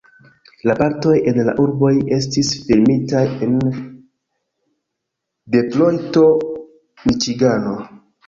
La partoj en la urboj estis filmitaj en Detrojto, Miĉigano.